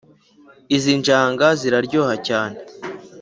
izi njanga ziraryoha cyane